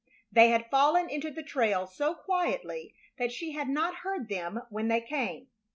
They had fallen into the trail so quietly that she had not heard them when they came.